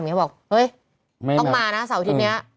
แบบนี้บอกโอ๊ยออกมานะเสาร์วิติศนี้